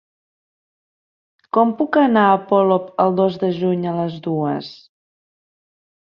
Com puc anar a Polop el dos de juny a les dues?